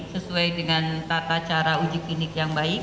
sesuai dengan tata cara uji klinik yang baik